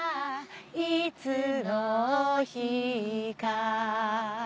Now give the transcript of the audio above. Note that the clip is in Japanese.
「いつの日か」